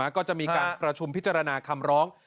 ก็จะมีการประชุมพิจารณาคำร้อง